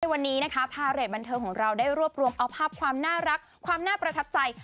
วันนี้นะคะพาเรทบันเทิงของเราได้รวบรวมเอาภาพความน่ารักความน่าประทับใจ